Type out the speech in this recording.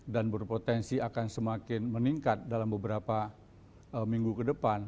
dan berpotensi akan semakin meningkat dalam beberapa minggu ke depan